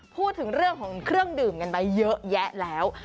พูดถึงเรื่องของเครื่องดื่มกันไปเยอะแยะแล้ว